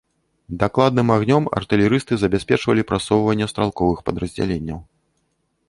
Дакладным агнём артылерысты забяспечвалі прасоўванне стралковых падраздзяленняў.